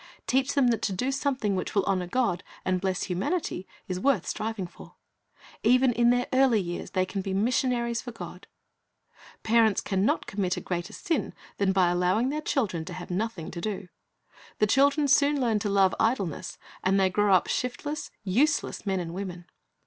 Teach them that to do something which will honor God and bless humanity is worth striving for. Even in their early years they can be missionaries for God. Parents can not commit a greater sin than by allowing their children to have nothing to do. The children soon learn to love idleness, and they grow up shiftless, useless men and women.